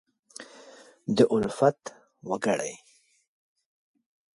دالفت وکړي